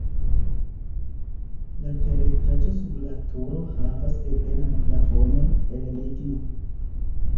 La teretaĝo sub la turo havas ebenan plafonon el ligno.